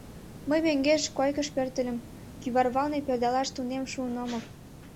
Мый мӧҥгеш койкыш пӧртыльым — кӱварвалне пӧрдалаш тунем шуын омыл.